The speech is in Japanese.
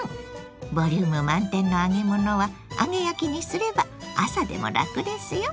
ボリューム満点の揚げ物は揚げ焼きにすれば朝でもラクですよ。